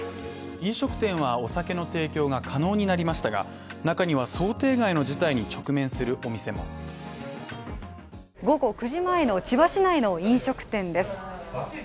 飲食店はお酒の提供が可能になりましたが中には想定外の事態に直面するお店も午後９時前の千葉市内の飲食店です。